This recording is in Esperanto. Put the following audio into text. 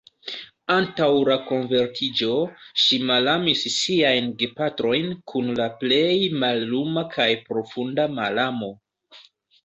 Antaŭ la konvertiĝo, ŝi malamis siajn gepatrojn kun la plej malluma kaj profunda malamo.